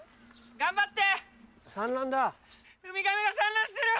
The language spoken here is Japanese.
頑張って！